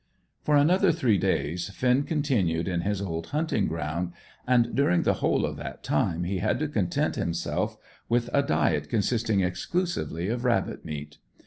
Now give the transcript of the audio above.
For another three days Finn continued in his old hunting ground, and during the whole of that time he had to content himself with a diet consisting exclusively of rabbit meat.